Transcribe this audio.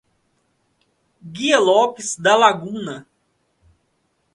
Guia Lopes da Laguna